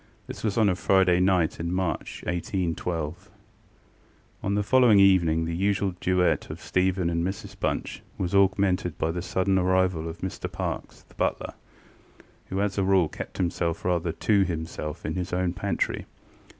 This was on a Friday night in March, 1812. On the following evening the usual duet of Stephen and Mrs Bunch was augmented by the sudden arrival of Mr Parkes, the butler, who as a rule kept himself rather to himself in his own pantry.